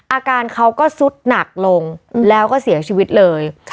อาการเขาก็สุดหนักลงแล้วก็เสียชีวิตเลย